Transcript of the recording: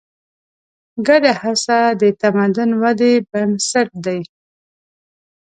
ګډه هڅه د تمدن ودې بنسټ دی.